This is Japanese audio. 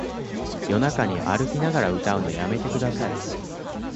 夜中に歩きながら歌うのやめてください